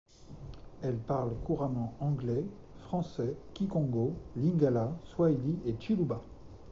Elle parle couramment anglais, français, kikongo, lingala, swahili et tshiluba.